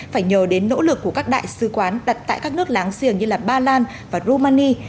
phải nhờ đến nỗ lực của các đại sứ quán đặt tại các nước láng giềng như ba lan và rumani